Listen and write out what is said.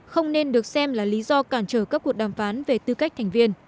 không nên được xem là lý do cản trở các cuộc đàm phán về tư cách thành viên